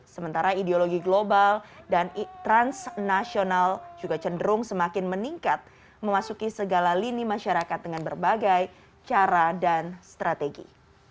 sementara ideologi global dan transnasional juga cenderung semakin meningkat memasuki segala lini masyarakat dengan berbagai cara dan strategi